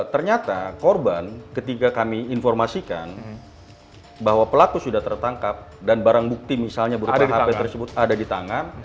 ternyata korban ketika kami informasikan bahwa pelaku sudah tertangkap dan barang bukti misalnya berupa hp tersebut ada di tangan